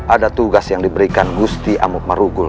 ada tugas yang diberikan gusti amuk marugul